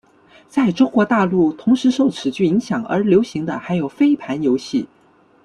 在中国大陆同时受此剧影响而流行的还有飞盘游戏。